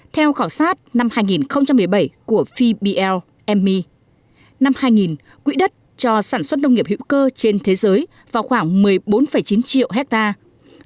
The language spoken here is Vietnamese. theo khảo sát năm hai nghìn một mươi bảy của fbl my năm hai nghìn quỹ đất cho sản xuất nông nghiệp hữu cơ trên thế giới vào khoảng một mươi bốn chín triệu hectare